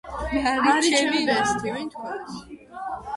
მარიიიიიიიიიი ჩემიიი ბესთიიიიი